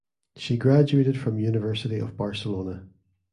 She graduated from University of Barcelona.